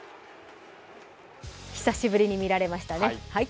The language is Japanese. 久しぶりに見られましたね。